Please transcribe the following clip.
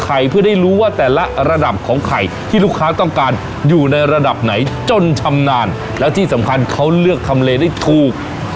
เพื่อได้รู้ว่าแต่ละระดับของไข่ที่ลูกค้าต้องการอยู่ในระดับไหนจนชำนาญแล้วที่สำคัญเขาเลือกทำเลได้ถูก